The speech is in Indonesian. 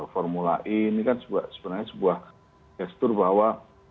formulain ini kan sebenarnya sebuah gesture bahwa